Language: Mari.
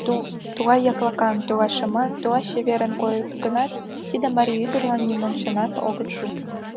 Тугай яклакан, тугай шыман, тугай чеверын койыт гынат, тиде марий ӱдырлан нимончынат огыт шу.